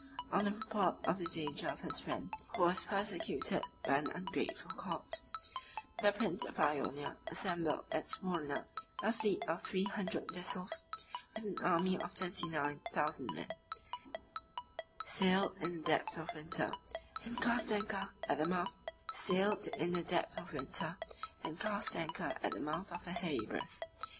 47 On the report of the danger of his friend, who was persecuted by an ungrateful court, the prince of Ionia assembled at Smyrna a fleet of three hundred vessels, with an army of twenty nine thousand men; sailed in the depth of winter, and cast anchor at the mouth of the Hebrus.